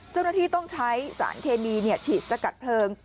เจ้าหน้าที่ต้องใช้สารเคมีฉีดสกัดเพลิง